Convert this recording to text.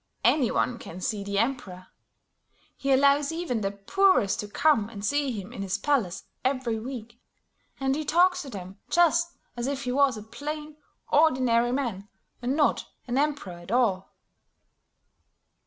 Any one can see the Emperor; he allows even the poorest to come and see him in his palace every week; and he talks to them just as if he was a plain, ordinary man and not an emperor at all."